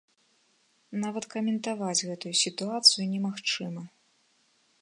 Нават каментаваць гэтую сітуацыю немагчыма.